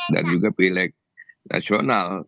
dan juga pileg nasional